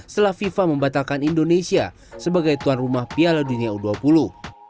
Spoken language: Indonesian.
setelah fifa membatalkan indonesia sebagai tuan rumah piala dunia u dua puluh